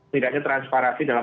tidaknya transparansi dalam